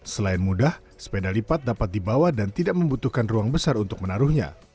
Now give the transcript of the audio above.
selain mudah sepeda lipat dapat dibawa dan tidak membutuhkan ruang besar untuk menaruhnya